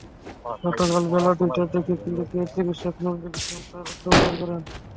গতকাল বেলা দুইটার দিকে ক্লিনিকের চিকিৎসক নজরুল ইসলাম তাঁর অস্ত্রোপচার করেন।